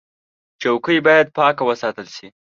چوکۍ باید پاکه وساتل شي.